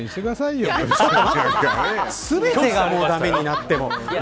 全てが駄目になっても。